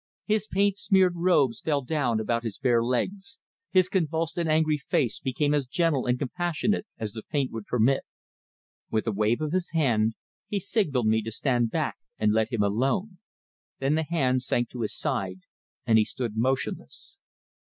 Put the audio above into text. His paint smeared robes fell down about his bare legs, his convulsed and angry face became as gentle and compassionate as the paint would permit. With a wave of his hand, he signalled me to stand back and let him alone. Then the hand sank to his side, and he stood motionless.